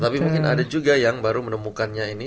tapi mungkin ada juga yang baru menemukannya ini